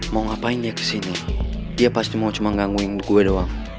mau ngapain dia kesini dia pasti mau cuma gangguin gue doang